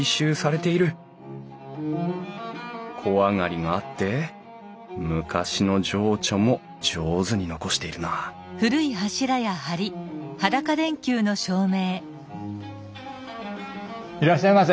小上がりがあって昔の情緒も上手に残しているないらっしゃいませ。